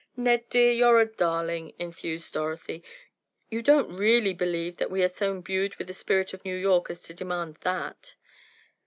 "Ned, dear, you're a darling," enthused Dorothy, "you don't really believe we are so imbued with the spirit of New York as to demand that?"